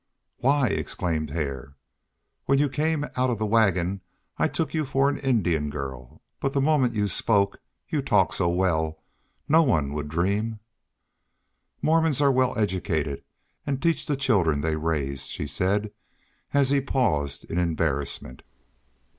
"Why!" exclaimed Hare. "When you came out of the wagon I took you for an Indian girl. But the moment you spoke you talk so well no one would dream " "Mormons are well educated and teach the children they raise," she said, as he paused in embarrassment.